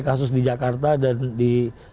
kasus di jakarta dan di